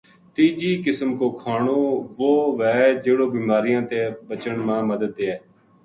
تیجی قسم کو کھانو وہ وھے جہڑو بیماریاں تے بچن ما مدد دئے۔